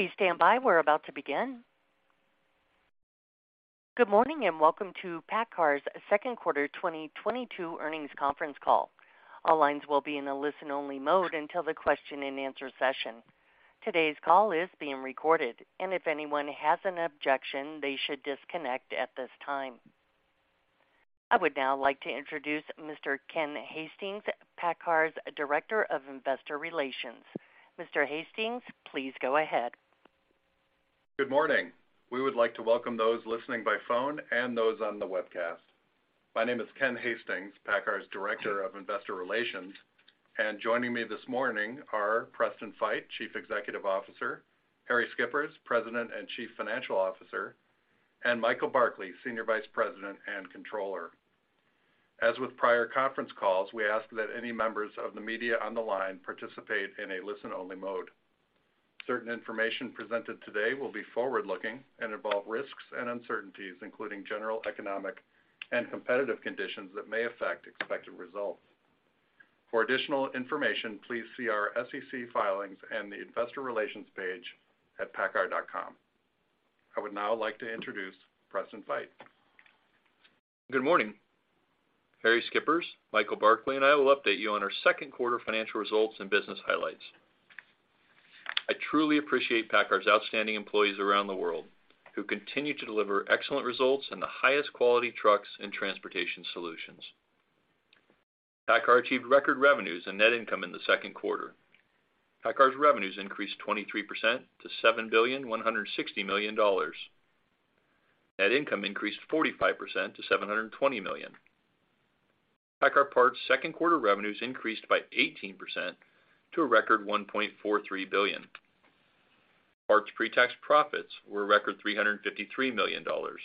Please stand by. We're about to begin. Good morning, and welcome to PACCAR's second quarter 2022 earnings conference call. All lines will be in a listen-only mode until the question and answer session. Today's call is being recorded, and if anyone has an objection, they should disconnect at this time. I would now like to introduce Mr. Ken Hastings, PACCAR's Director of Investor Relations. Mr. Hastings, please go ahead. Good morning. We would like to welcome those listening by phone and those on the webcast. My name is Ken Hastings, PACCAR's Director of Investor Relations, and joining me this morning are Preston Feight, Chief Executive Officer, Harrie Schippers, President and Chief Financial Officer, and Michael Barkley, Senior Vice President and Controller. As with prior conference calls, we ask that any members of the media on the line participate in a listen-only mode. Certain information presented today will be forward-looking and involve risks and uncertainties, including general economic and competitive conditions that may affect expected results. For additional information, please see our SEC filings and the investor relations page at paccar.com. I would now like to introduce Preston Feight. Good morning. Harrie Schippers, Michael Barkley, and I will update you on our second quarter financial results and business highlights. I truly appreciate PACCAR's outstanding employees around the world who continue to deliver excellent results and the highest quality trucks and transportation solutions. PACCAR achieved record revenues and net income in the second quarter. PACCAR's revenues increased 23% to $7.16 billion. Net income increased 45% to $720 million. PACCAR Parts second quarter revenues increased by 18% to a record $1.43 billion. Parts pre-tax profits were a record $353 million, 32%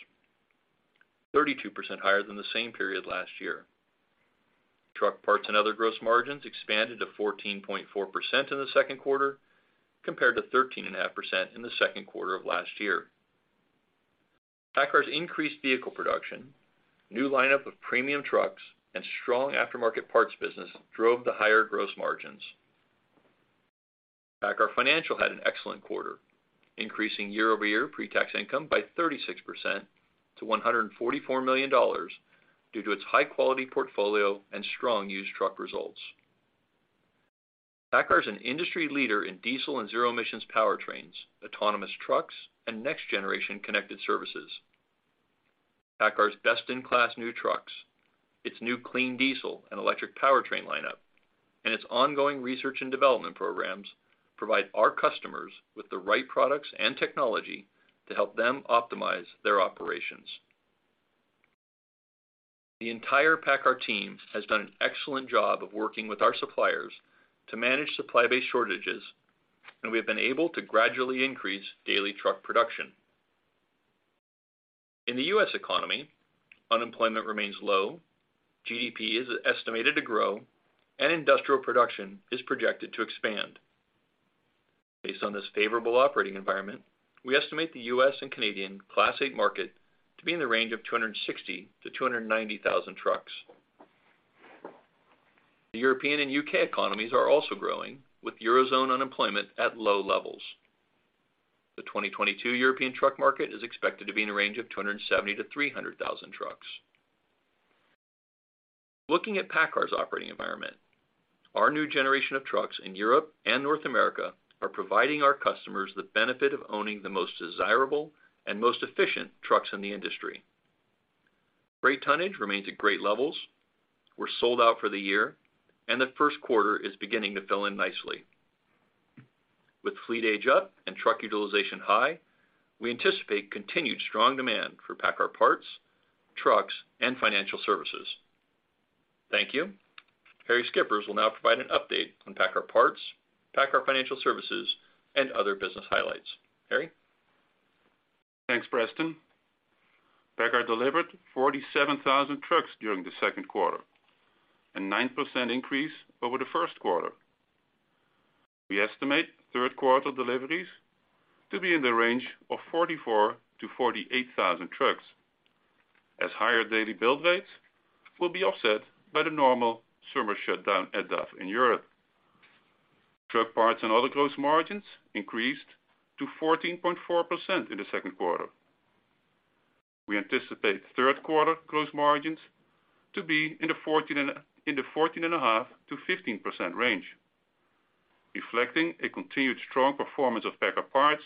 higher than the same period last year. Truck parts and other gross margins expanded to 14.4% in the second quarter compared to 13.5% in the second quarter of last year. PACCAR's increased vehicle production, new lineup of premium trucks, and strong aftermarket parts business drove the higher gross margins. PACCAR Financial had an excellent quarter, increasing year-over-year pre-tax income by 36% to $144 million due to its high-quality portfolio and strong used truck results. PACCAR is an industry leader in diesel and zero emissions powertrains, autonomous trucks, and next generation connected services. PACCAR's best-in-class new trucks, its new clean diesel and electric powertrain lineup, and its ongoing research and development programs provide our customers with the right products and technology to help them optimize their operations. The entire PACCAR team has done an excellent job of working with our suppliers to manage supply base shortages, and we have been able to gradually increase daily truck production. In the U.S. economy, unemployment remains low, GDP is estimated to grow, and industrial production is projected to expand. Based on this favorable operating environment, we estimate the U.S. and Canadian Class eight market to be in the range of 260,000-290,000 trucks. The European and U.K. economies are also growing, with Eurozone unemployment at low levels. The 2022 European truck market is expected to be in the range of 270,000-300,000 trucks. Looking at PACCAR's operating environment, our new generation of trucks in Europe and North America are providing our customers the benefit of owning the most desirable and most efficient trucks in the industry. Freight tonnage remains at great levels. We're sold out for the year, and the first quarter is beginning to fill in nicely. With fleet age up and truck utilization high, we anticipate continued strong demand for PACCAR Parts, trucks, and financial services. Thank you. Harrie Schippers will now provide an update on PACCAR Parts, PACCAR Financial Services, and other business highlights. Harrie. Thanks, Preston. PACCAR delivered 47,000 trucks during the second quarter, a 9% increase over the first quarter. We estimate third quarter deliveries to be in the range of 44,000-48,000 trucks, as higher daily build rates will be offset by the normal summer shutdown at DAF in Europe. Truck parts and other gross margins increased to 14.4% in the second quarter. We anticipate third quarter gross margins to be in the 14.5%-15% range, reflecting a continued strong performance of PACCAR Parts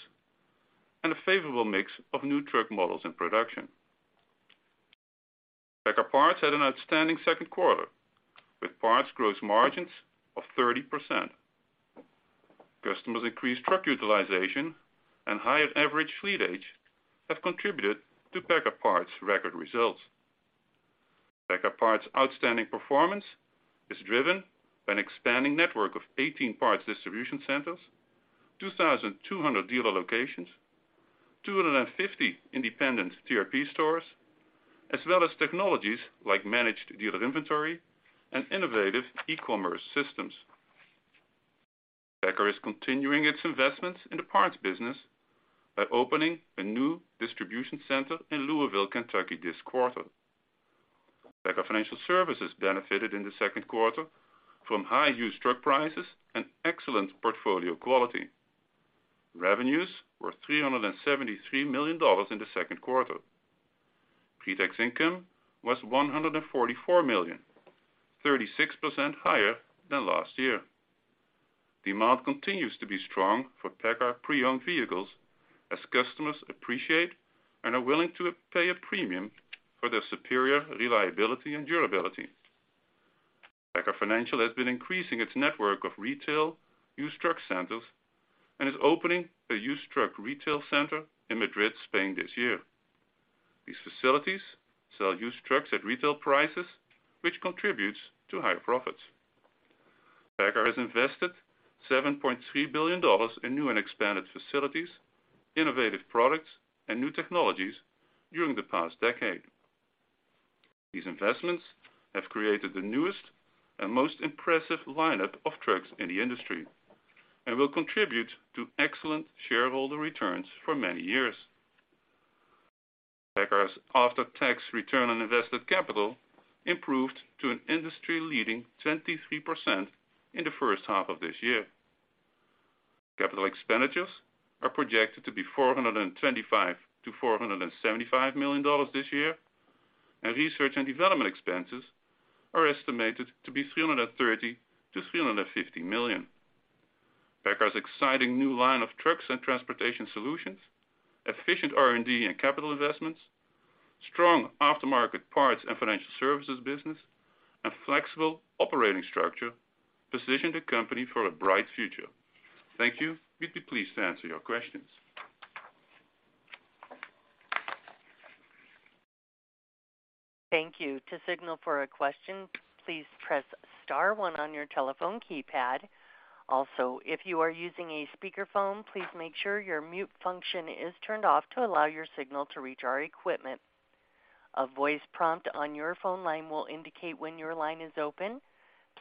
and a favorable mix of new truck models in production. PACCAR Parts had an outstanding second quarter with parts gross margins of 30%. Customers' increased truck utilization and higher average fleet age have contributed to PACCAR Parts' record results. PACCAR Parts' outstanding performance is driven by an expanding network of 18 parts distribution centers, 2,200 dealer locations, 250 independent TRP stores, as well as technologies like managed dealer inventory and innovative e-commerce systems. PACCAR is continuing its investments in the parts business by opening a new distribution center in Louisville, Kentucky this quarter. PACCAR Financial Services benefited in the second quarter from high used truck prices and excellent portfolio quality. Revenues were $373 million in the second quarter. Pre-tax income was $144 million, 36% higher than last year. Demand continues to be strong for PACCAR pre-owned vehicles as customers appreciate and are willing to pay a premium for their superior reliability and durability. PACCAR Financial has been increasing its network of retail used truck centers and is opening a used truck retail center in Madrid, Spain this year. These facilities sell used trucks at retail prices, which contributes to higher profits. PACCAR has invested $7.3 billion in new and expanded facilities, innovative products and new technologies during the past decade. These investments have created the newest and most impressive lineup of trucks in the industry and will contribute to excellent shareholder returns for many years. PACCAR's after-tax return on invested capital improved to an industry-leading 23% in the first half of this year. Capital expenditures are projected to be $425 million-$475 million this year, and research and development expenses are estimated to be $330 million-$350 million. PACCAR's exciting new line of trucks and transportation solutions, efficient R&D and capital investments, strong aftermarket parts and financial services business, and flexible operating structure position the company for a bright future. Thank you. We'd be pleased to answer your questions. Thank you. To signal for a question, please press star one on your telephone keypad. Also, if you are using a speakerphone, please make sure your mute function is turned off to allow your signal to reach our equipment. A voice prompt on your phone line will indicate when your line is open.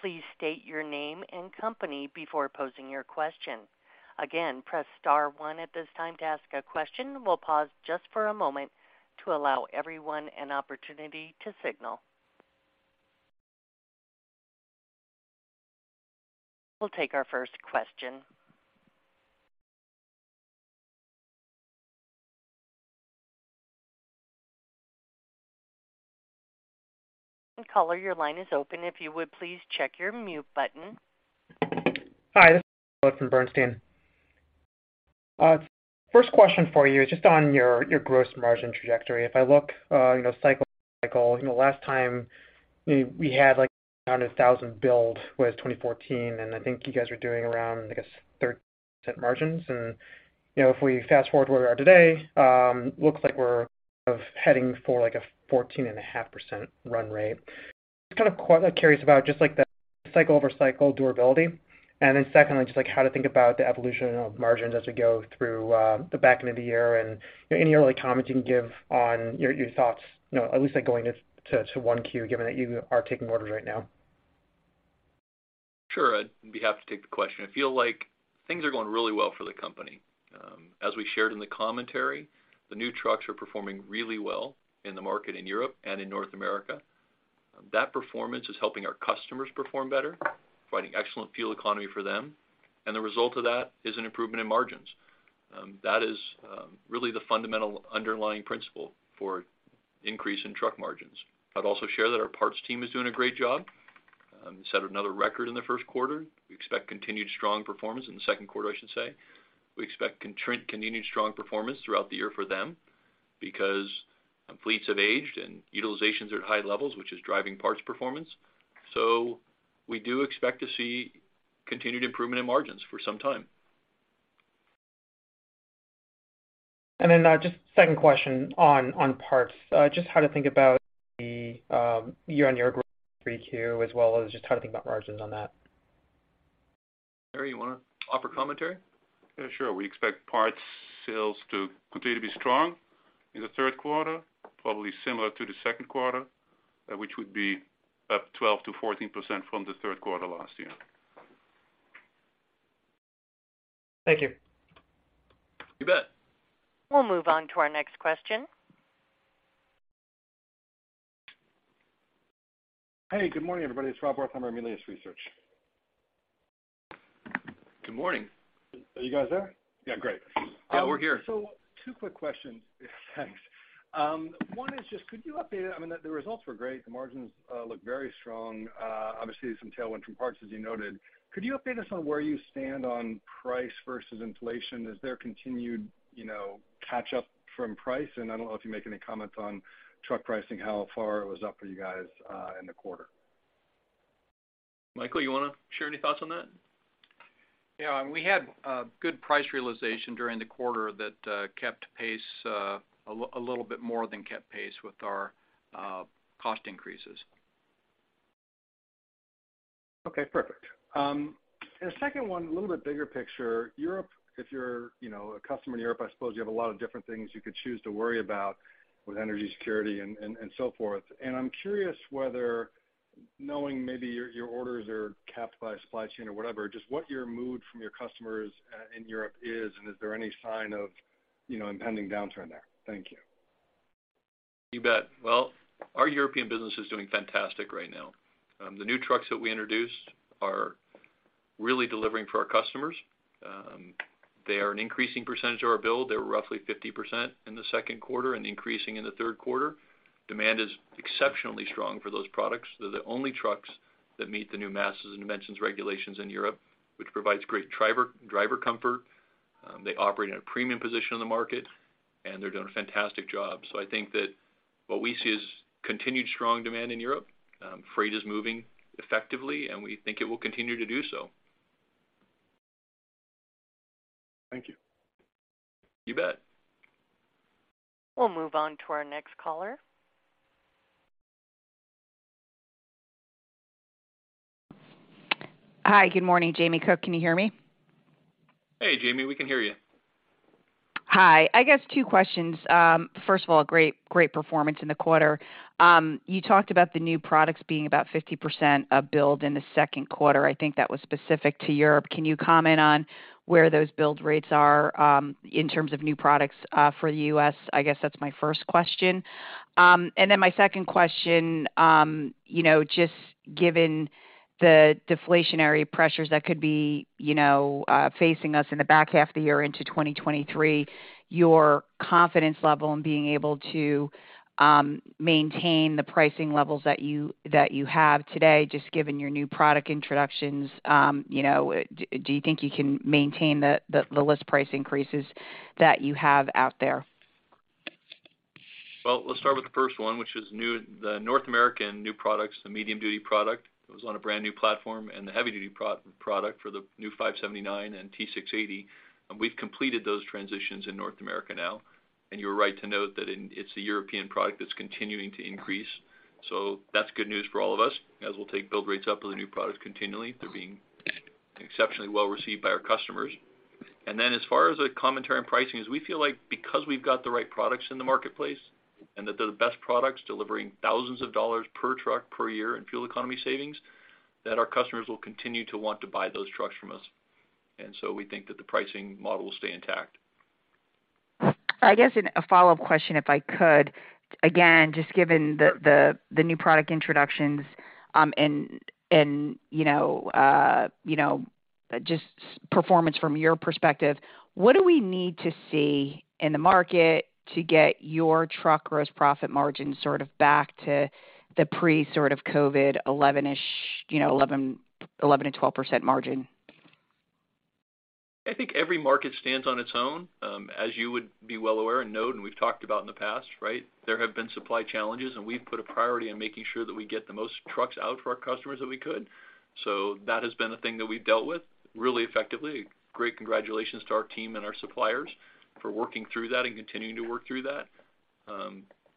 Please state your name and company before posing your question. Again, press star one at this time to ask a question. We'll pause just for a moment to allow everyone an opportunity to signal. We'll take our first question. Caller, your line is open. If you would please check your mute button. Hi, this is Philip from Bernstein. First question for you is just on your gross margin trajectory. If I look, you know, cycle to cycle, you know, last time, you know, we had, like, around a 1,000 build was 2014, and I think you guys are doing around, I guess, 30% margins. You know, if we fast-forward to where we are today, looks like we're kind of heading for, like, a 14.5% run rate. Just kind of curious about just like the cycle over cycle durability. Then secondly, just, like, how to think about the evolution of margins as we go through, the back end of the year and any early comments you can give on your thoughts, you know, at least, like, going to 1Q, given that you are taking orders right now. Sure. I'd be happy to take the question. I feel like things are going really well for the company. As we shared in the commentary, the new trucks are performing really well in the market in Europe and in North America. That performance is helping our customers perform better, providing excellent fuel economy for them, and the result of that is an improvement in margins. That is really the fundamental underlying principle for increase in truck margins. I'd also share that our parts team is doing a great job. Set another record in the first quarter. We expect continued strong performance in the second quarter, I should say. We expect continued strong performance throughout the year for them because fleets have aged and utilizations are at high levels, which is driving parts performance. We do expect to see continued improvement in margins for some time. Just second question on parts, just how to think about the year-on-year growth for 3Q as well as just how to think about margins on that? Harrie, you want to offer commentary? Yeah, sure. We expect parts sales to continue to be strong in the third quarter, probably similar to the second quarter, which would be up 12%-14% from the third quarter last year. Thank you. You bet. We'll move on to our next question. Hey, good morning, everybody. It's Rob Wertheimer from Melius Research. Good morning. Are you guys there? Yeah, great. Yeah, we're here. Two quick questions. Thanks. One is, I mean, the results were great. The margins look very strong. Obviously some tailwind from parts, as you noted. Could you update us on where you stand on price versus inflation? Is there continued, you know, catch up from price? And I don't know if you can make any comments on truck pricing, how far it was up for you guys in the quarter. Michael, you want to share any thoughts on that? Yeah, we had good price realization during the quarter that kept pace a little bit more than kept pace with our cost increases. Okay, perfect. The second one, a little bit bigger picture. Europe, if you're, you know, a customer in Europe, I suppose you have a lot of different things you could choose to worry about with energy security and so forth. I'm curious whether Knowing maybe your orders are capped by a supply chain or whatever, just what your mood from your customers in Europe is, and is there any sign of, you know, impending downturn there? Thank you. You bet. Well, our European business is doing fantastic right now. The new trucks that we introduced are really delivering for our customers. They are an increasing percentage of our build. They're roughly 50% in the second quarter and increasing in the third quarter. Demand is exceptionally strong for those products. They're the only trucks that meet the new masses and dimensions regulations in Europe, which provides great driver comfort. They operate in a premium position in the market, and they're doing a fantastic job. I think that what we see is continued strong demand in Europe. Freight is moving effectively, and we think it will continue to do so. Thank you. You bet. We'll move on to our next caller. Hi, good morning, Jamie Cook. Can you hear me? Hey, Jamie, we can hear you. Hi. I guess two questions. First of all, great performance in the quarter. You talked about the new products being about 50% of build in the second quarter. I think that was specific to Europe. Can you comment on where those build rates are in terms of new products for the U.S.? I guess that's my first question. And then my second question, you know, just given the deflationary pressures that could be, you know, facing us in the back half of the year into 2023, your confidence level in being able to maintain the pricing levels that you have today, just given your new product introductions, you know, do you think you can maintain the list price increases that you have out there? Well, let's start with the first one, which is new, the North American new products, the medium-duty product. It was on a brand-new platform and the heavy-duty product for the new 579 and T680, and we've completed those transitions in North America now. You're right to note that in, it's the European product that's continuing to increase. That's good news for all of us, as we'll take build rates up with the new products continually. They're being exceptionally well received by our customers. Then as far as the commentary on pricing is, we feel like because we've got the right products in the marketplace and that they're the best products delivering thousands of dollars per truck per year in fuel economy savings, that our customers will continue to want to buy those trucks from us. We think that the pricing model will stay intact. I guess a follow-up question, if I could. Again, just given the new product introductions, and you know, just performance from your perspective, what do we need to see in the market to get your truck gross profit margin sort of back to the pre-COVID 11-ish, you know, 11%-12% margin? I think every market stands on its own. As you would be well aware and know, and we've talked about in the past, right? There have been supply challenges, and we've put a priority on making sure that we get the most trucks out for our customers that we could. That has been a thing that we've dealt with really effectively. Great congratulations to our team and our suppliers for working through that and continuing to work through that.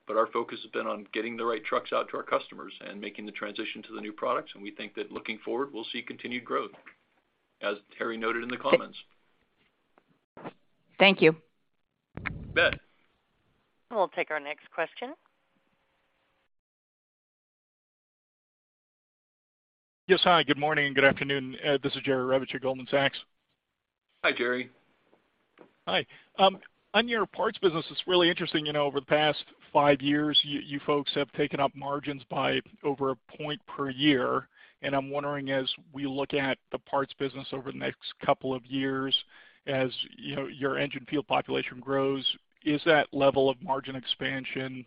But our focus has been on getting the right trucks out to our customers and making the transition to the new products. We think that looking forward, we'll see continued growth, as Harrie noted in the comments. Thank you. You bet. We'll take our next question. Yes. Hi, good morning, and good afternoon. This is Jerry Revich, Goldman Sachs. Hi, Jerry. Hi. On your parts business, it's really interesting, you know, over the past five years, you folks have taken up margins by over a point per year. I'm wondering, as we look at the parts business over the next couple of years, as you know, your engine field population grows, is that level of margin expansion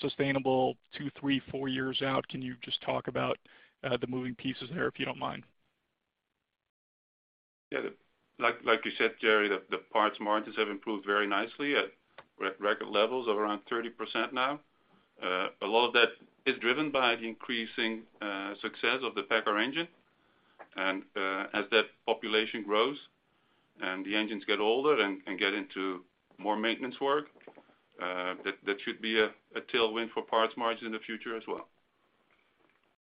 sustainable two, three, four years out? Can you just talk about the moving pieces there, if you don't mind? Like you said, Jerry, the parts margins have improved very nicely at record levels of around 30% now. A lot of that is driven by the increasing success of the PACCAR engine. As that population grows and the engines get older and get into more maintenance work, that should be a tailwind for parts margin in the future as well.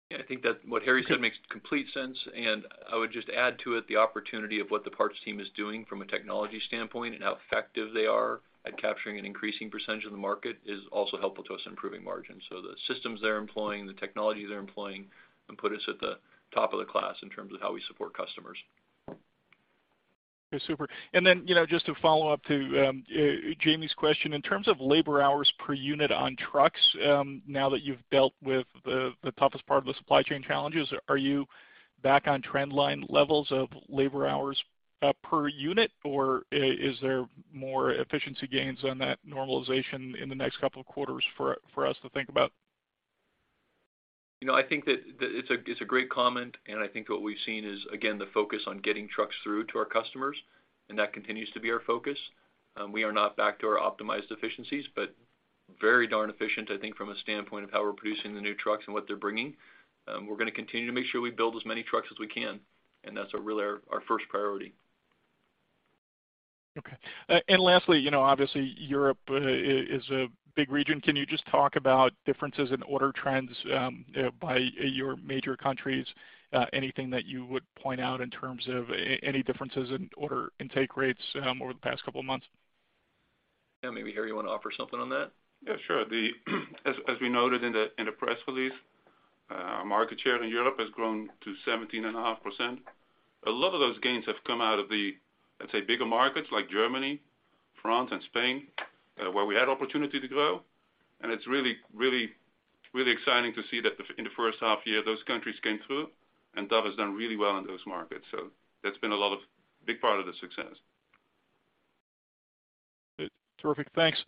Yeah. I think that what Harrie said makes complete sense, and I would just add to it the opportunity of what the parts team is doing from a technology standpoint and how effective they are at capturing an increasing percentage of the market is also helpful to us in improving margins. The systems they're employing, the technology they're employing can put us at the top of the class in terms of how we support customers. Okay. Super. You know, just to follow up to Jamie's question, in terms of labor hours per unit on trucks, now that you've dealt with the toughest part of the supply chain challenges, are you back on trend line levels of labor hours per unit, or is there more efficiency gains on that normalization in the next couple of quarters for us to think about? You know, I think that it's a great comment, and I think what we've seen is, again, the focus on getting trucks through to our customers, and that continues to be our focus. We are not back to our optimized efficiencies, but very darn efficient, I think, from a standpoint of how we're producing the new trucks and what they're bringing. We're gonna continue to make sure we build as many trucks as we can, and that's really our first priority. Okay. Lastly, you know, obviously Europe is a big region. Can you just talk about differences in order trends by your major countries? Anything that you would point out in terms of any differences in order intake rates over the past couple of months? Yeah, maybe, Harrie, you want to offer something on that? Yeah, sure. As we noted in the press release, market share in Europe has grown to 17.5%. A lot of those gains have come out of the, let's say, bigger markets like Germany, France, and Spain, where we had opportunity to grow. It's really exciting to see that in the first half year, those countries came through, and DAF has done really well in those markets. That's been a lot of big part of the success. Good. Terrific. Thanks.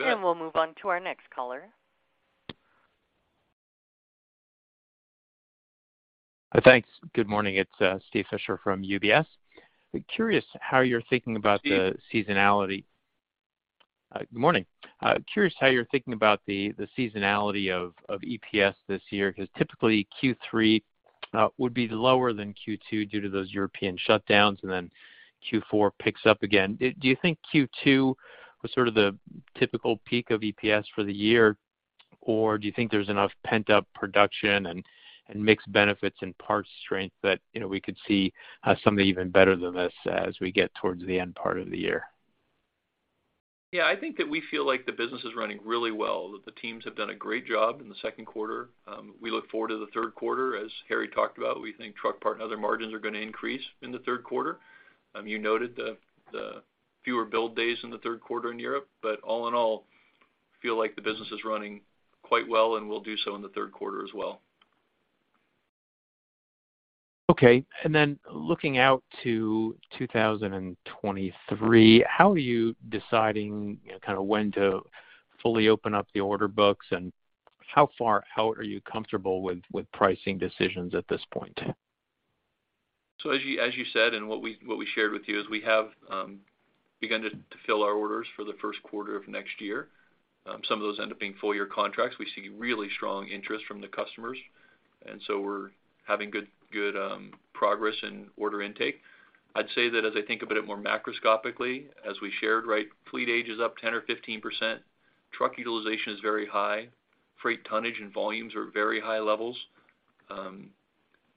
We'll move on to our next caller. Thanks. Good morning. It's Steven Fisher from UBS. Curious how you're thinking about the seasonality? Steve. Good morning. Curious how you're thinking about the seasonality of EPS this year, because typically Q3 would be lower than Q2 due to those European shutdowns, and then Q4 picks up again. Do you think Q2 was sort of the typical peak of EPS for the year, or do you think there's enough pent-up production and mixed benefits and parts strength that, you know, we could see something even better than this as we get towards the end part of the year? Yeah, I think that we feel like the business is running really well, that the teams have done a great job in the second quarter. We look forward to the third quarter. As Harrie talked about, we think truck parts and other margins are going to increase in the third quarter. You noted the fewer build days in the third quarter in Europe, but all in all, feel like the business is running quite well and will do so in the third quarter as well. Okay. Looking out to 2023, how are you deciding kind of when to fully open up the order books, and how are you comfortable with pricing decisions at this point? As you said, what we shared with you is we have begun to fill our orders for the first quarter of next year. Some of those end up being full year contracts. We see really strong interest from the customers, and we're having good progress in order intake. I'd say that as I think about it more macroscopically, as we shared, right, fleet age is up 10% or 15%. Truck utilization is very high. Freight tonnage and volumes are very high levels.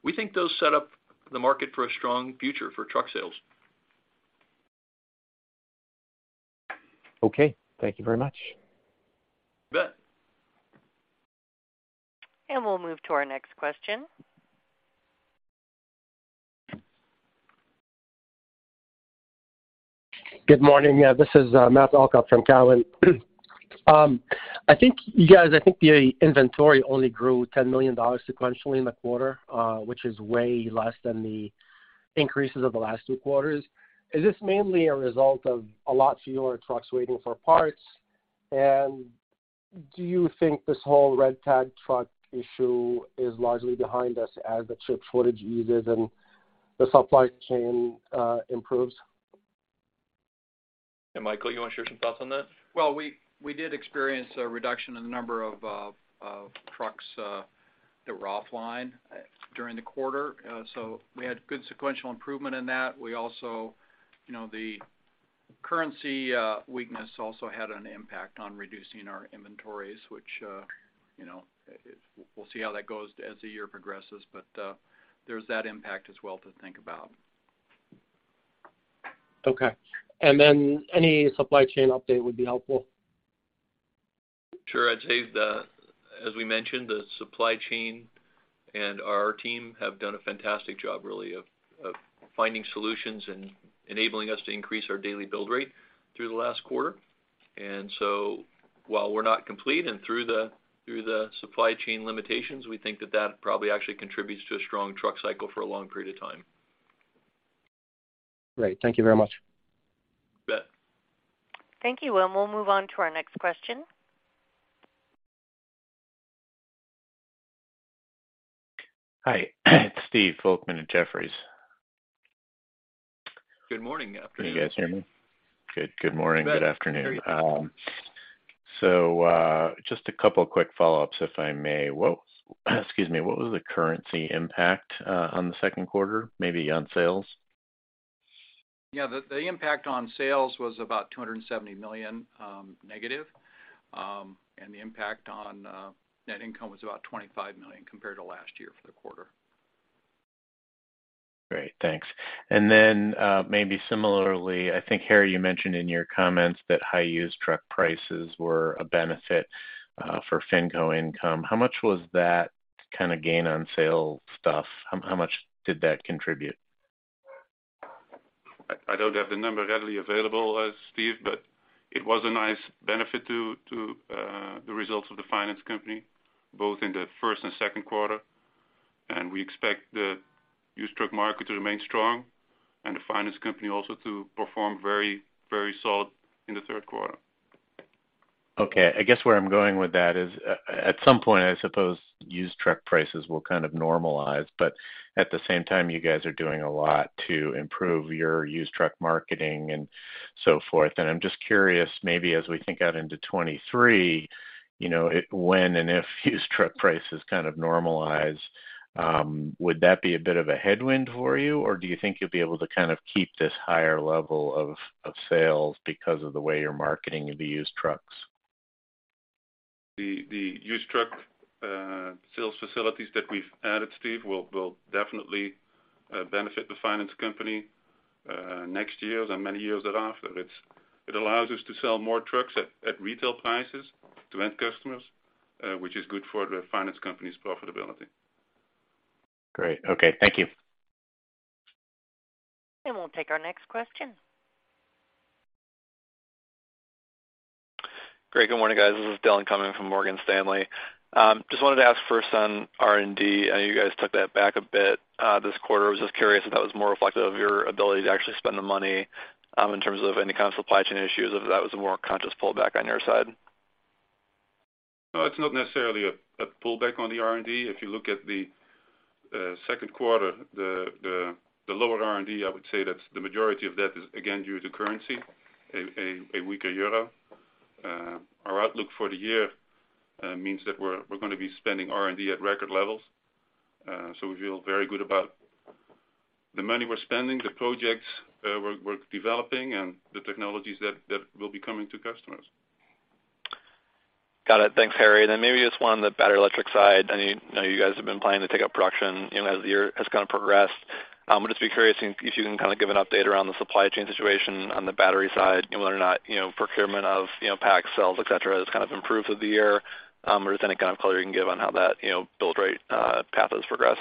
We think those set up the market for a strong future for truck sales. Okay, thank you very much. You bet. We'll move to our next question. Good morning. Yeah, this is Matt Elkott from Cowen. I think you guys, I think the inventory only grew $10 million sequentially in the quarter, which is way less than the increases of the last two quarters. Is this mainly a result of a lot fewer trucks waiting for parts? Do you think this whole red tag truck issue is largely behind us as the chip shortage eases and the supply chain improves? Michael, you want to share some thoughts on that? Well, we did experience a reduction in the number of trucks that were offline during the quarter. We had good sequential improvement in that. We also, you know, the currency weakness also had an impact on reducing our inventories, which, you know, we'll see how that goes as the year progresses. There's that impact as well to think about. Okay. Any supply chain update would be helpful. Sure. I'd say as we mentioned, the supply chain and our team have done a fantastic job, really, of finding solutions and enabling us to increase our daily build rate through the last quarter. While we're not completely through the supply chain limitations, we think that probably actually contributes to a strong truck cycle for a long period of time. Great. Thank you very much. You bet. Thank you. We'll move on to our next question. Hi, it's Stephen Volkmann at Jefferies. Good morning. Afternoon. Can you guys hear me? Good. Good morning. Good afternoon. Just a couple of quick follow-ups, if I may. What was the currency impact on the second quarter, maybe on sales? Yeah, the impact on sales was about -$270 million. The impact on net income was about $25 million compared to last year for the quarter. Great. Thanks. Maybe similarly, I think, Harrie, you mentioned in your comments that high-use truck prices were a benefit for FinCo income. How much was that kind of gain on sale stuff? How much did that contribute? I don't have the number readily available, Steve, but it was a nice benefit to the results of the finance company, both in the first and second quarter. We expect the used truck market to remain strong and the finance company also to perform very, very solid in the third quarter. Okay. I guess where I'm going with that is, at some point, I suppose used truck prices will kind of normalize, but at the same time, you guys are doing a lot to improve your used truck marketing and so forth. I'm just curious, maybe as we think out into 2023, you know, when and if used truck prices kind of normalize, would that be a bit of a headwind for you? Or do you think you'll be able to kind of keep this higher level of sales because of the way you're marketing the used trucks? The used truck sales facilities that we've added, Steve, will definitely benefit the finance company next year and many years thereafter. It allows us to sell more trucks at retail prices to end customers, which is good for the finance company's profitability. Great. Okay. Thank you. We'll take our next question. Great. Good morning, guys. This is Dillon Cumming from Morgan Stanley. Just wanted to ask first on R&D. I know you guys took that back a bit this quarter. Was just curious if that was more reflective of your ability to actually spend the money in terms of any kind of supply chain issues, or if that was a more conscious pullback on your side. No, it's not necessarily a pullback on the R&D. If you look at the second quarter, the lower R&D, I would say that the majority of that is again due to currency, a weaker euro. Our outlook for the year means that we're gonna be spending R&D at record levels. We feel very good about the money we're spending, the projects we're developing, and the technologies that will be coming to customers. Got it. Thanks, Harrie. Maybe just one on the battery electric side. I know you guys have been planning to take up production, you know, as the year has kind of progressed. I'd just be curious if you can kind of give an update around the supply chain situation on the battery side and whether or not, you know, procurement of, you know, pack cells, et cetera, has kind of improved through the year. Just any kind of color you can give on how that, you know, build rate path has progressed.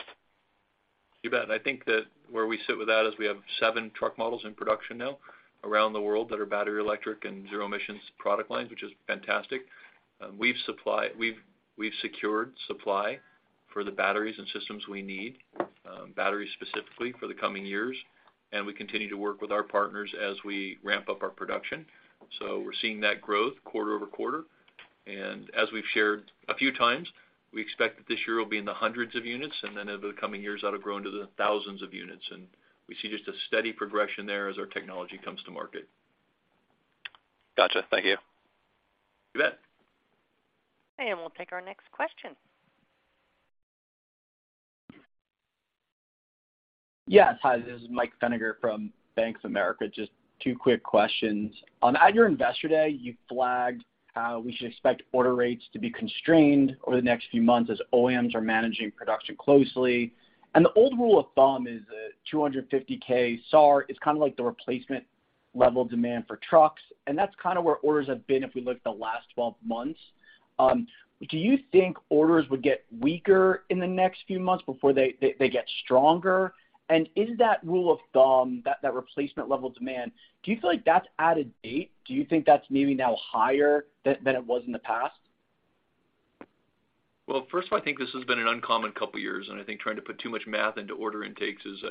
You bet. I think that where we sit with that is we have seven truck models in production now around the world that are battery electric and zero emissions product lines, which is fantastic. We've secured supply for the batteries and systems we need, batteries specifically for the coming years, and we continue to work with our partners as we ramp up our production. We're seeing that growth quarter over quarter. As we've shared a few times, we expect that this year will be in the hundreds of units, and then over the coming years, that'll grow into the thousands of units. We see just a steady progression there as our technology comes to market. Gotcha. Thank you. You bet. We'll take our next question. Yes. Hi, this is Michael Feniger from Bank of America. Just two quick questions. At your Investor Day, you flagged how we should expect order rates to be constrained over the next few months as OEMs are managing production closely. The old rule of thumb is that 250,000 SAR is kind of like the replacement level demand for trucks, and that's kind of where orders have been if we look at the last 12 months. Do you think orders would get weaker in the next few months before they get stronger? Is that rule of thumb, that replacement level demand, do you feel like that's out of date? Do you think that's maybe now higher than it was in the past? Well, first of all, I think this has been an uncommon couple years, and I think trying to put too much math into order intakes is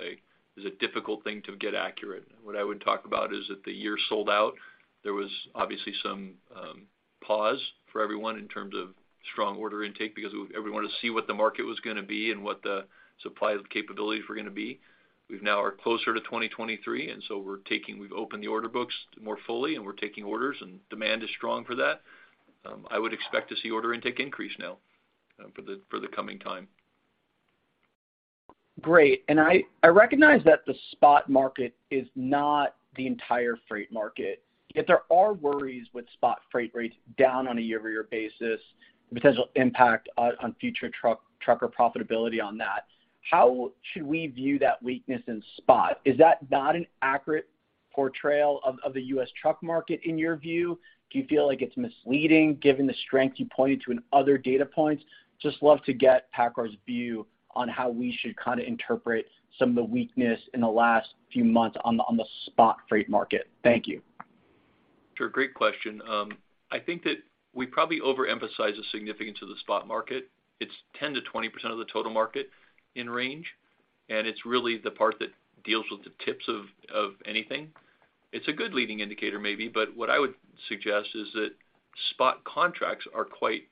a difficult thing to get accurate. What I would talk about is that the year sold out. There was obviously some pause for everyone in terms of strong order intake because everyone wanted to see what the market was gonna be and what the supply capabilities were gonna be. We now are closer to 2023, and so we've opened the order books more fully, and we're taking orders, and demand is strong for that. I would expect to see order intake increase now for the coming time. Great. I recognize that the spot market is not the entire freight market. Yet there are worries with spot freight rates down on a year-over-year basis and potential impact on future trucker profitability on that. How should we view that weakness in spot? Is that not an accurate portrayal of the U.S. truck market in your view? Do you feel like it's misleading given the strength you pointed to in other data points? Just love to get PACCAR's view on how we should kind of interpret some of the weakness in the last few months on the spot freight market. Thank you. Sure. Great question. I think that we probably overemphasize the significance of the spot market. It's 10%-20% of the total market in range, and it's really the part that deals with the tips of anything. It's a good leading indicator maybe, but what I would suggest is that spot contracts are quite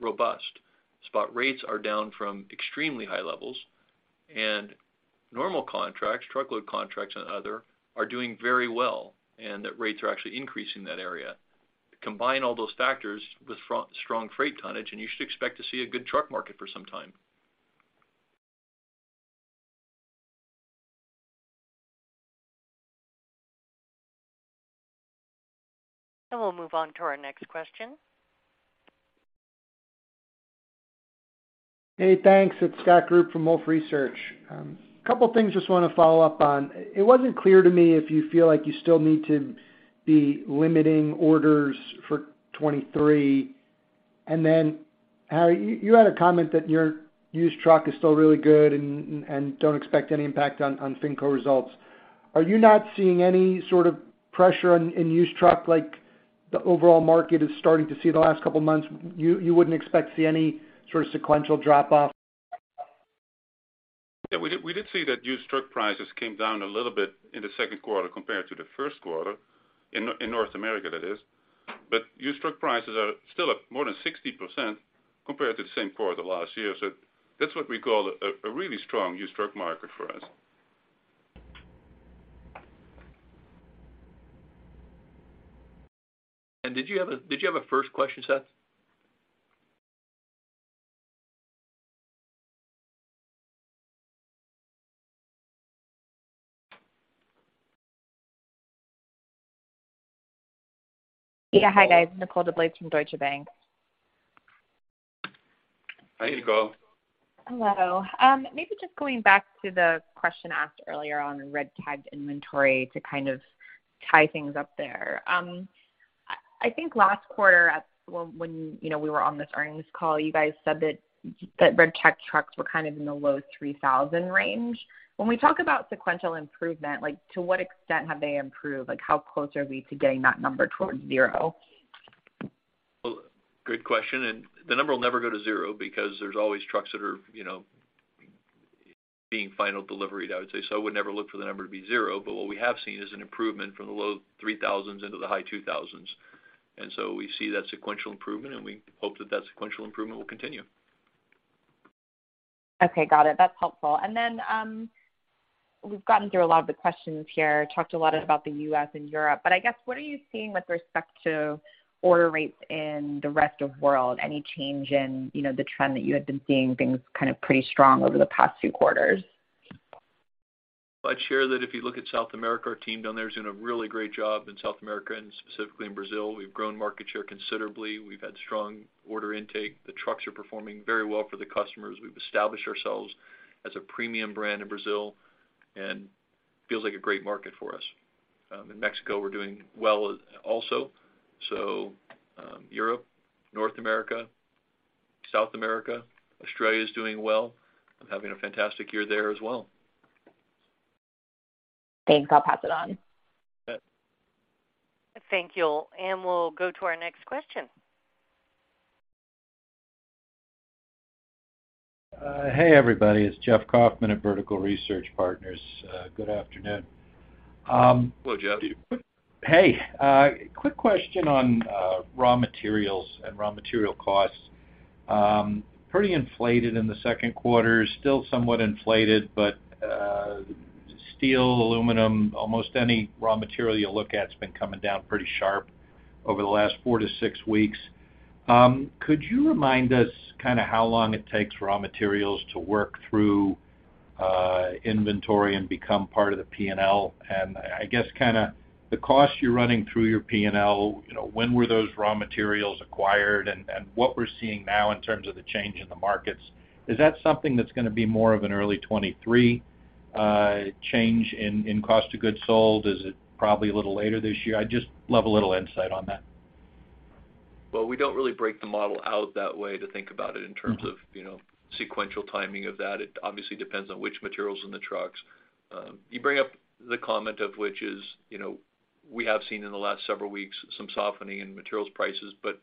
robust. Spot rates are down from extremely high levels, and normal contracts, truckload contracts and other, are doing very well, and that rates are actually increasing that area. Combine all those factors with strong freight tonnage, and you should expect to see a good truck market for some time. We'll move on to our next question. Hey, thanks. It's Scott Group from Wolfe Research. A couple things just wanna follow up on. It wasn't clear to me if you feel like you still need to be limiting orders for 2023. Harrie, you had a comment that your used truck is still really good and don't expect any impact on FinCO results. Are you not seeing any sort of pressure in used truck like the overall market is starting to see the last couple months? You wouldn't expect to see any sort of sequential drop off? Yeah, we did see that used truck prices came down a little bit in the second quarter compared to the first quarter in North America, that is. Used truck prices are still up more than 60% compared to the same quarter last year. That's what we call a really strong used truck market for us. Did you have a first question, Scott? Yeah. Hi guys. Nicole DeBlase from Deutsche Bank. Hi, Nicole. Hello. Maybe just going back to the question asked earlier on red-tagged inventory to kind of tie things up there. I think last quarter, well, when you know, we were on this earnings call, you guys said that red-tagged trucks were kind of in the low 3,000 range. When we talk about sequential improvement, like, to what extent have they improved? Like, how close are we to getting that number towards zero? Well, good question. The number will never go to zero because there's always trucks that are, you know, being finally delivered, I would say. I would never look for the number to be zero. What we have seen is an improvement from the low 3,000s into the high 2,000s. We see that sequential improvement, and we hope that that sequential improvement will continue. Okay, got it. That's helpful. We've gotten through a lot of the questions here, talked a lot about the U.S. and Europe, but I guess, what are you seeing with respect to order rates in the rest of the world? Any change in, you know, the trend that you had been seeing things kind of pretty strong over the past few quarters? I'd share that if you look at South America, our team down there has done a really great job in South America and specifically in Brazil. We've grown market share considerably. We've had strong order intake. The trucks are performing very well for the customers. We've established ourselves as a premium brand in Brazil, and feels like a great market for us. In Mexico, we're doing well also. Europe, North America, South America. Australia is doing well and having a fantastic year there as well. Thanks. I'll pass it on. You bet. Thank you. We'll go to our next question. Hey, everybody, it's Jeffrey Kauffman at Vertical Research Partners. Good afternoon. Hello, Jeff. Hey. Quick question on raw materials and raw material costs. Pretty inflated in the second quarter. Still somewhat inflated, but steel, aluminum, almost any raw material you look at has been coming down pretty sharp over the last four to six weeks. Could you remind us kinda how long it takes raw materials to work through inventory and become part of the P&L? And I guess kinda the cost you're running through your P&L, you know, when were those raw materials acquired? And what we're seeing now in terms of the change in the markets, is that something that's gonna be more of an early 2023 change in cost of goods sold? Is it probably a little later this year? I'd just love a little insight on that. Well, we don't really break the model out that way to think about it in terms of, you know, sequential timing of that. It obviously depends on which materials in the trucks. You bring up the comment of which is, you know, we have seen in the last several weeks some softening in materials prices, but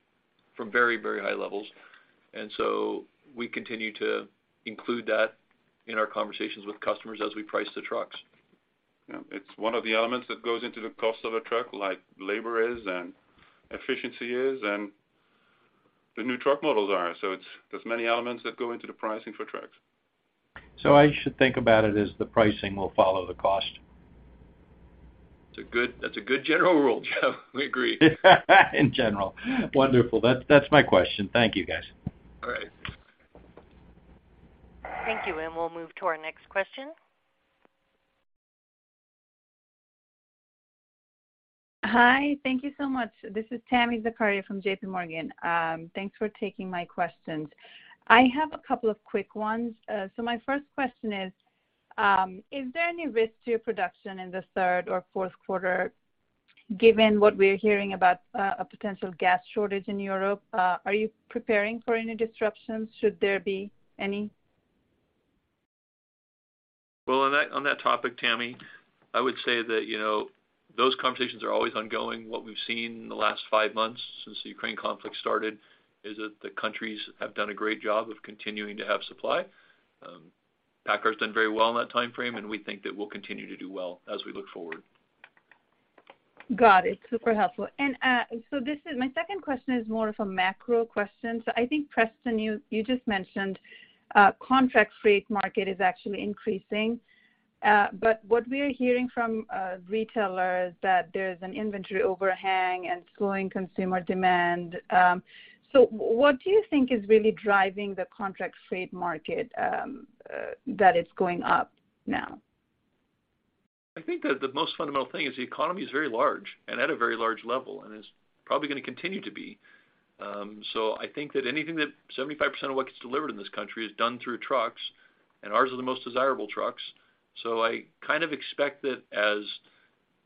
from very, very high levels. We continue to include that in our conversations with customers as we price the trucks. Yeah. It's one of the elements that goes into the cost of a truck, like labor is, and efficiency is, and the new truck models are. It's, there's many elements that go into the pricing for trucks. I should think about it as the pricing will follow the cost. That's a good general rule, Jeff. We agree. In general. Wonderful. That's my question. Thank you, guys. All right. Thank you. We'll move to our next question. Hi. Thank you so much. This is Tami Zakaria from JPMorgan. Thanks for taking my questions. I have a couple of quick ones. My first question is there any risk to your production in the third or fourth quarter, given what we're hearing about, a potential gas shortage in Europe? Are you preparing for any disruptions, should there be any? Well, on that topic, Tami, I would say that, you know, those conversations are always ongoing. What we've seen in the last five months since the Ukraine conflict started is that the countries have done a great job of continuing to have supply. PACCAR's done very well in that timeframe, and we think that we'll continue to do well as we look forward. Got it. Super helpful. My second question is more of a macro question. I think, Preston, you just mentioned contract freight market is actually increasing. What we are hearing from retailers that there's an inventory overhang and slowing consumer demand. What do you think is really driving the contract freight market that it's going up now? I think the most fundamental thing is the economy is very large and at a very large level, and is probably gonna continue to be. I think that anything that 75% of what gets delivered in this country is done through trucks, and ours are the most desirable trucks. I kind of expect that as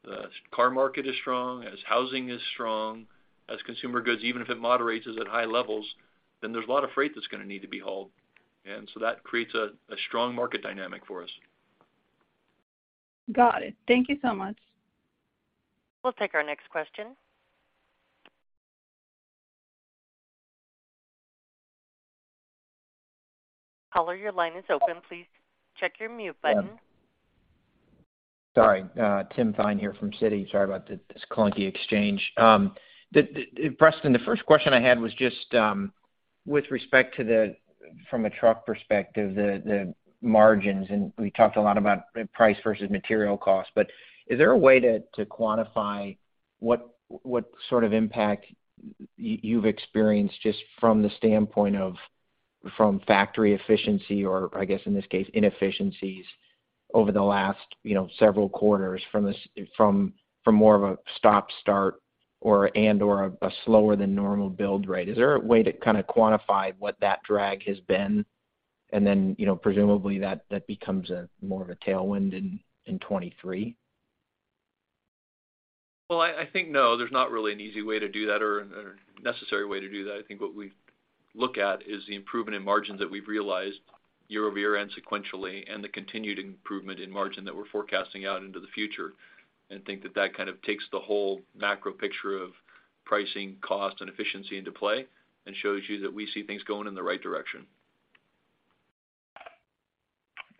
the car market is strong, as housing is strong, as consumer goods, even if it moderates, is at high levels, then there's a lot of freight that's gonna need to be hauled. That creates a strong market dynamic for us. Got it. Thank you so much. We'll take our next question. Caller, your line is open. Please check your mute button. Tim Thein here from Citi. Sorry about this clunky exchange. Preston, the first question I had was just with respect to, from a truck perspective, the margins, and we talked a lot about price versus material costs, but is there a way to quantify what sort of impact you've experienced just from the standpoint of factory efficiency or I guess in this case, inefficiencies over the last, you know, several quarters from this—from more of a stop-start or and/or a slower than normal build rate. Is there a way to kind of quantify what that drag has been? And then, you know, presumably that becomes more of a tailwind in 2023. Well, I think, no, there's not really an easy way to do that or necessary way to do that. I think what we look at is the improvement in margins that we've realized year-over-year and sequentially, and the continued improvement in margin that we're forecasting out into the future. Think that that kind of takes the whole macro picture of pricing, cost, and efficiency into play and shows you that we see things going in the right direction.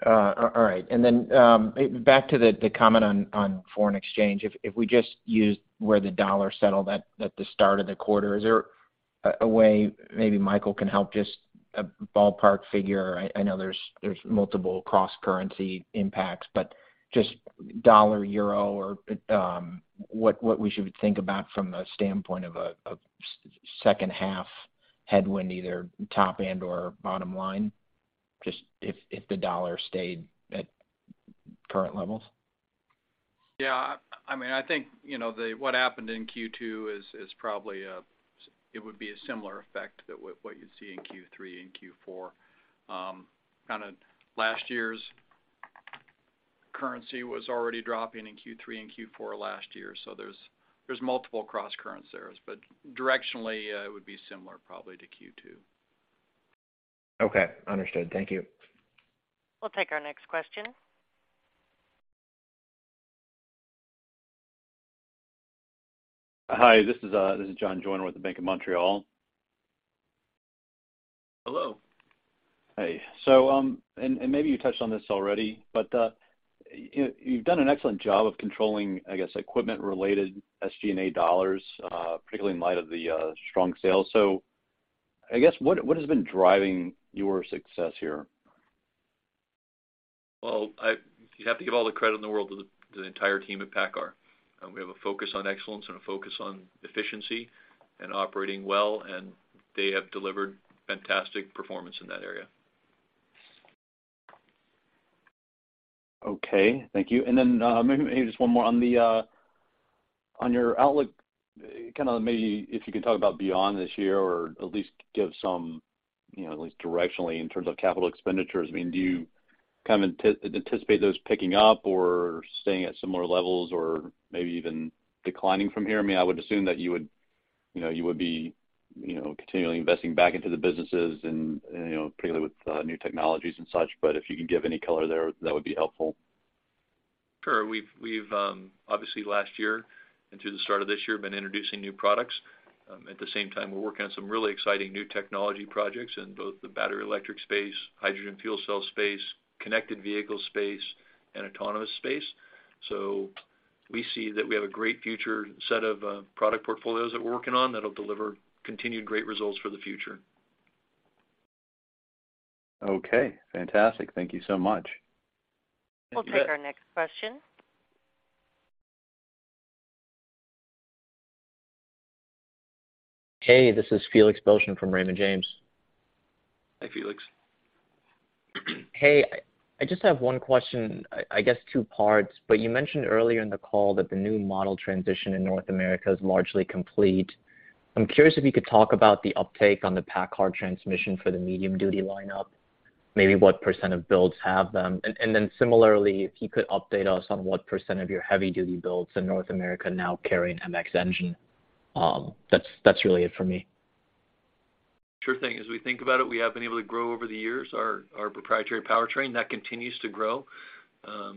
All right. Back to the comment on foreign exchange. If we just use where the dollar settled at the start of the quarter, is there a way maybe Michael can help just a ballpark figure? I know there's multiple cross-currency impacts, but just dollar/euro or what we should think about from the standpoint of a second half headwind, either top end or bottom line, just if the dollar stayed at current levels. Yeah. I mean, I think, you know, what happened in Q2 is probably it would be a similar effect that what you'd see in Q3 and Q4. Kind of last year's currency was already dropping in Q3 and Q4 last year. There's multiple cross-currents there. Directionally, it would be similar probably to Q2. Okay. Understood. Thank you. We'll take our next question. Hi, this is John Joyner with the Bank of Montreal. Hello. Hey. Maybe you touched on this already, but you've done an excellent job of controlling, I guess, equipment-related SG&A dollars, particularly in light of the strong sales. I guess what has been driving your success here? Well, you have to give all the credit in the world to the entire team at PACCAR. We have a focus on excellence and a focus on efficiency and operating well, and they have delivered fantastic performance in that area. Okay, thank you. Maybe just one more on the on your outlook, kind of maybe if you could talk about beyond this year or at least give some, you know, at least directionally in terms of capital expenditures. I mean, do you kind of anticipate those picking up or staying at similar levels or maybe even declining from here? I mean, I would assume that you would, you know, you would be, you know, continually investing back into the businesses and, you know, particularly with new technologies and such. If you could give any color there, that would be helpful. Sure. We've obviously last year and through the start of this year, been introducing new products. At the same time, we're working on some really exciting new technology projects in both the battery electric space, hydrogen fuel cell space, connected vehicle space, and autonomous space. We see that we have a great future set of product portfolios that we're working on that'll deliver continued great results for the future. Okay, fantastic. Thank you so much. You bet. We'll take our next question. Hey, this is Felix Boeschen from Raymond James. Hi, Felix. Hey, I just have one question, I guess two parts, but you mentioned earlier in the call that the new model transition in North America is largely complete. I'm curious if you could talk about the uptake on the PACCAR transmission for the medium-duty lineup, maybe what % of builds have them. Similarly, if you could update us on what percent of your heavy-duty builds in North America now carry an MX engine. That's really it for me. Sure thing. As we think about it, we have been able to grow over the years our proprietary powertrain. That continues to grow. Our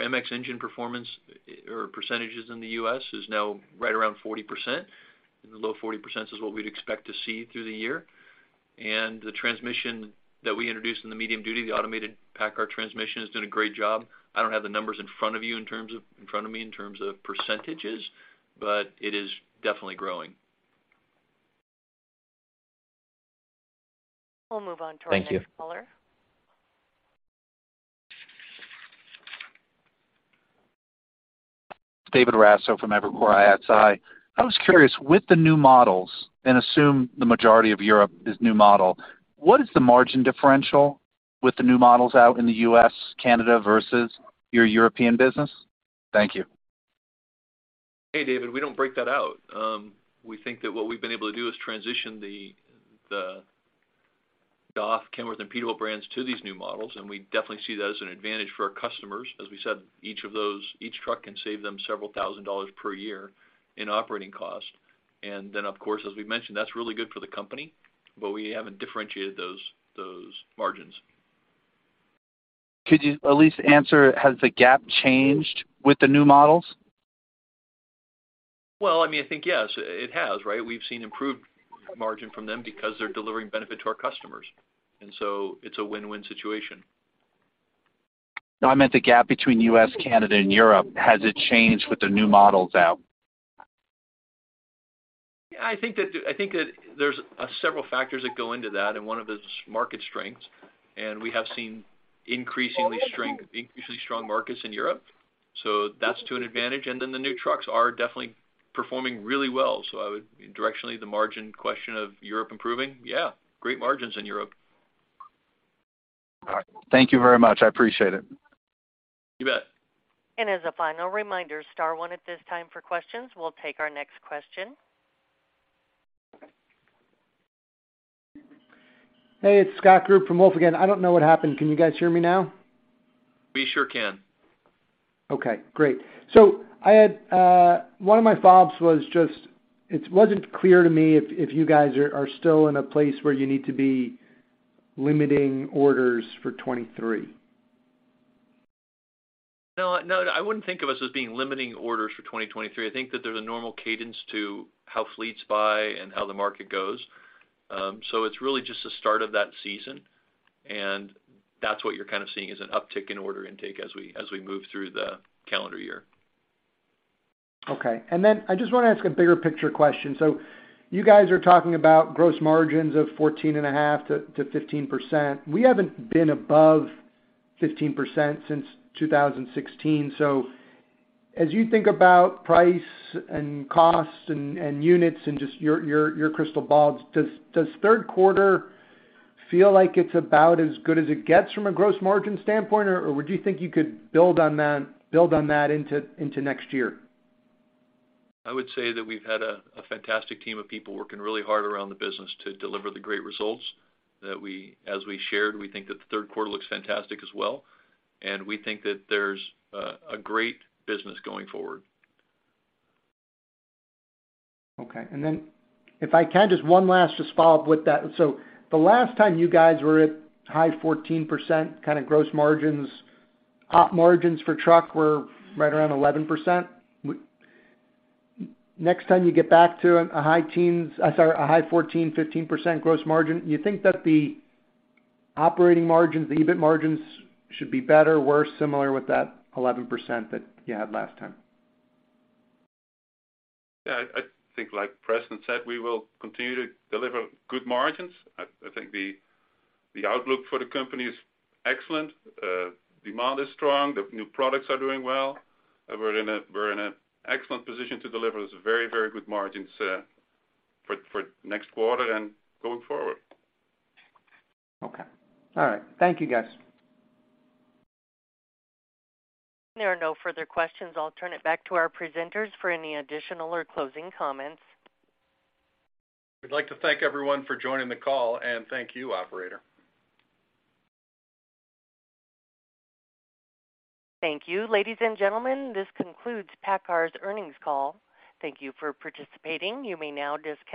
MX engine performance or percentages in the U.S. is now right around 40%. In the low 40% is what we'd expect to see through the year. The transmission that we introduced in the medium duty, the automated PACCAR transmission, has done a great job. I don't have the numbers in front of me in terms of percentages, but it is definitely growing. We'll move on to our next caller. Thank you. David Raso from Evercore ISI. I was curious, with the new models, and assume the majority of Europe is new model, what is the margin differential with the new models out in the U.S., Canada versus your European business? Thank you. Hey, David. We don't break that out. We think that what we've been able to do is transition the DAF, Kenworth, and Peterbilt brands to these new models, and we definitely see that as an advantage for our customers. As we said, each truck can save them several thousand dollars per year in operating cost. Then, of course, as we've mentioned, that's really good for the company, but we haven't differentiated those margins. Could you at least answer, has the gap changed with the new models? Well, I mean, I think, yes, it has, right? We've seen improved margin from them because they're delivering benefit to our customers. It's a win-win situation. No, I meant the gap between U.S., Canada, and Europe. Has it changed with the new models out? I think that there's several factors that go into that, and one of it is market strength. We have seen increasingly strong markets in Europe. That's to an advantage. Then the new trucks are definitely performing really well. Directionally, the margin question of Europe improving, yeah, great margins in Europe. All right. Thank you very much. I appreciate it. You bet. As a final reminder, star one at this time for questions. We'll take our next question. Hey, it's Scott Group from Wolfe again. I don't know what happened. Can you guys hear me now? We sure can. Okay, great. I had one of my thoughts was just, it wasn't clear to me if you guys are still in a place where you need to be limiting orders for 2023. No, no, I wouldn't think of us as being limiting orders for 2023. I think that there's a normal cadence to how fleets buy and how the market goes. It's really just the start of that season, and that's what you're kind of seeing is an uptick in order intake as we move through the calendar year. Okay. I just wanna ask a bigger picture question. You guys are talking about gross margins of 14.5%-15%. We haven't been above 15% since 2016. As you think about price and cost and units and just your crystal balls, does third quarter feel like it's about as good as it gets from a gross margin standpoint? Or would you think you could build on that into next year? I would say that we've had a fantastic team of people working really hard around the business to deliver the great results that we. As we shared, we think that the third quarter looks fantastic as well, and we think that there's a great business going forward. Okay. If I can, just one last to follow up with that. The last time you guys were at high 14% kind of gross margins, op margins for truck were right around 11%. Next time you get back to a high 14%-15% gross margin, do you think that the operating margins, the EBIT margins should be better or worse, similar with that 11% that you had last time? Yeah. I think like Preston said, we will continue to deliver good margins. I think the outlook for the company is excellent. Demand is strong. The new products are doing well. We're in an excellent position to deliver these very, very good margins for next quarter and going forward. Okay. All right. Thank you guys. There are no further questions. I'll turn it back to our presenters for any additional or closing comments. We'd like to thank everyone for joining the call and thank you, operator. Thank you. Ladies and gentlemen, this concludes PACCAR's earnings call. Thank you for participating. You may now disconnect.